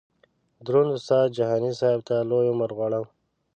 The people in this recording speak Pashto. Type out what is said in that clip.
دروند استاد جهاني صیب ته لوی عمر غواړم.